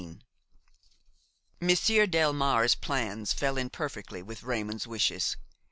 XIX Monsieur Delmare's plans fell in perfectly with Raymon's wishes.